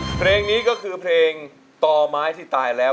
เพลงนี้ก็คือเพลงต่อไม้ที่ตายแล้ว